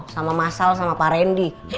sama masal sama pak rendy